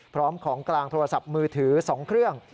พร้อมของกลางโทรศัพท์มือถือ๒เครื่อง